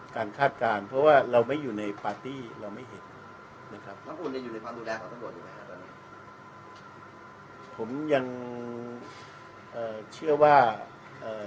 การคาดการณ์เพราะว่าเราไม่อยู่ในปาร์ตี้เราไม่เห็นนะครับแล้วคุณจะอยู่ในความดูแลของตะโหลดอยู่ไหมครับผมยังเอ่อเชื่อว่าเอ่อ